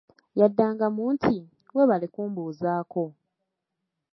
Yaddangamu nti"weebale kumbuuzako"